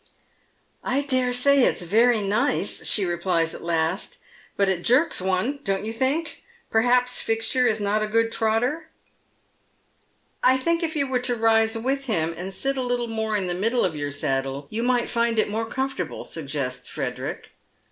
" I dare say it's very nice," she replies at last, " but it jerks one, don't you think ? Perhaps Fixture is not a good trotter ?"" I think if you were to rise with him, and sit a little more in the middle of your saddle, you might find it more comfortable," suggests Frederick.